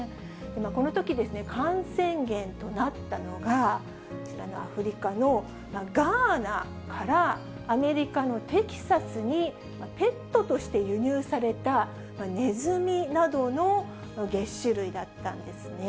このときですね、感染源となったのが、こちらのアフリカのガーナからアメリカのテキサスに、ペットとして輸入されたネズミなどのげっ歯類だったんですね。